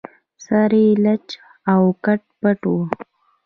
سر يې لڅ و او که پټ و